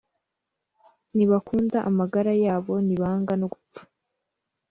ntibakunda amagara yabo, ntibanga no gupfa.